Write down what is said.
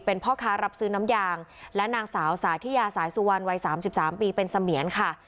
เป็นพ่อค้ารับซื้อน้ำยางและนางสาวสาธิยาสายสุวรรณวัย๓๓ปีเป็นเสมียนค่ะ